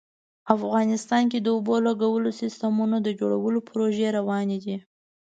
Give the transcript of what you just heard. افغانستان کې د اوبو لګولو سیسټمونو د جوړولو پروژې روانې دي